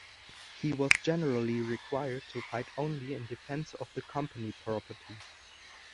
He was generally required to fight only in defence of the company property.